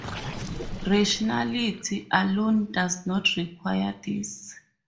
Rationality, alone, does not require this.